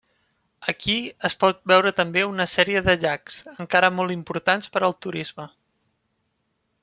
Aquí, es pot veure també una sèrie de llacs, encara molt importants per al turisme.